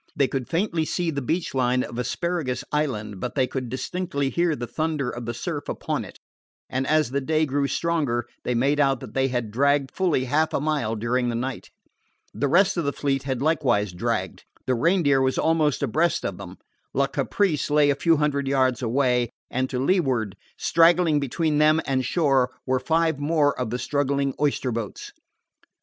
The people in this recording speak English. They could faintly see the beach line of Asparagus Island, but they could distinctly hear the thunder of the surf upon it; and as the day grew stronger they made out that they had dragged fully half a mile during the night. The rest of the fleet had likewise dragged. The Reindeer was almost abreast of them; La Caprice lay a few hundred yards away; and to leeward, straggling between them and shore, were five more of the struggling oyster boats.